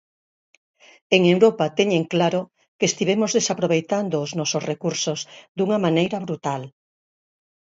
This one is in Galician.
En Europa teñen claro que estivemos desaproveitando os nosos recursos dunha maneira brutal.